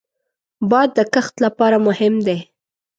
باد د کښت لپاره مهم دی